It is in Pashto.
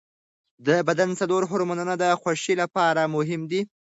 د بدن څلور هورمونونه د خوښۍ لپاره مهم دي.